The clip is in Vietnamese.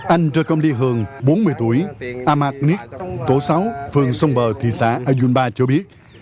anh trơ công đi hường bốn mươi tuổi amak nít tổ sáu phường sông bờ thị xã ayunpa cho biết